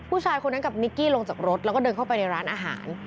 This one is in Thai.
ผู้ชายคนนั้นกับนิกกี้ลงจากรถแล้วก็เดินเข้าไปในร้านอาหาร